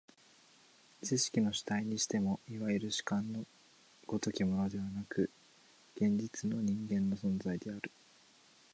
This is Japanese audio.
知識の主体にしても、いわゆる主観の如きものでなく、現実の人間の存在である。